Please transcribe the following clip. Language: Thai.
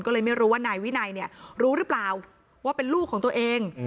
ก็เลยไม่รู้ว่านายวินัยเนี่ยรู้หรือเปล่าว่าเป็นลูกของตัวเอง